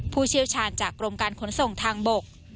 ผู้เชี่ยวชาญจากกรมการขนส่งทางบก